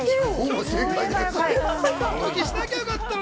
拒否しなきゃよかったのに！